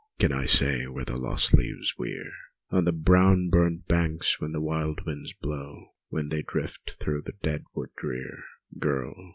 Can I say where the lost leaves veer On the brown burnt banks, when the wild winds blow, When they drift through the dead wood drear? Girl!